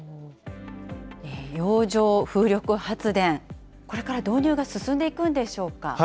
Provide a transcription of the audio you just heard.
洋上風力発電、これから導入が進んでいくんでしょうか。